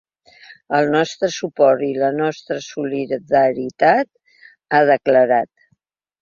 El nostre suport i la nostra solidaritat, ha declarat.